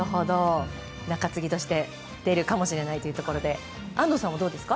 中継ぎとして出るかもしれないということで安藤さんは、どうですか？